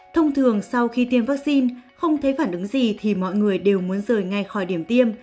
thông thường sau khi tiêm vaccine không thấy phản ứng gì thì mọi người đều muốn rời ngay khỏi điểm tiêm